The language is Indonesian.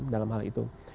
dalam hal itu